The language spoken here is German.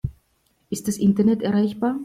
Ist das Internet erreichbar?